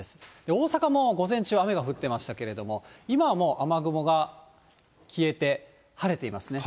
大阪も午前中、雨が降ってましたけれども、今はもう雨雲が消えて、晴れていますね。